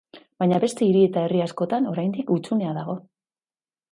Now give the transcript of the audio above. Baina beste hiri eta herri askotan oraindik hutsunea dago.